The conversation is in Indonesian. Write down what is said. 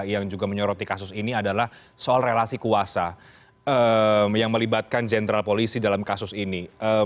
yang juga menyoroti kasus ini adalah soal relasi kuasa yang melibatkan jenderal polisi dalam kasus ini